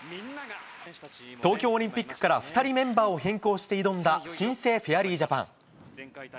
東京オリンピックから２人メンバーを変更して挑んだ新星、フェアリージャパン。